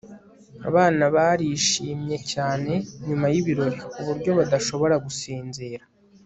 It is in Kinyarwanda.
abana barishimye cyane nyuma yibirori kuburyo badashobora gusinzira